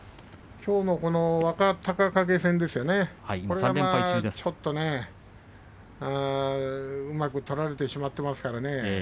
きょうの若隆景戦うまく取られてしまっていますからね。